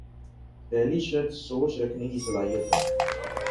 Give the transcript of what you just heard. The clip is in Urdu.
پہلی شرط سوچ رکھنے کی صلاحیت ہے۔